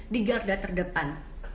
di garda terdepan